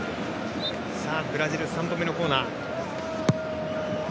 ブラジル３度目のコーナー。